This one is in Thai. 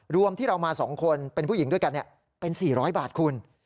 รวมที่เรามา๒คนเป็นผู้หญิงด้วยกันเป็น๔๐๐บาทคุณ